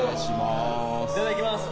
いただきます。